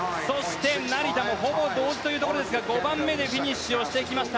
成田、ほぼ同時というところですが５番目でフィニッシュをしていきました。